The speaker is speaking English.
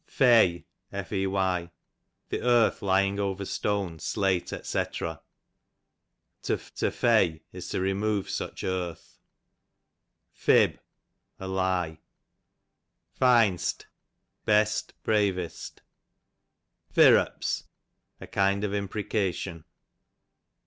Fey, the earth lying over stone, slate, dr. To Fey, is to remove swh earth. Fib, a lye. Fin'st, best, bravest. Firrups, a kind of imprecation.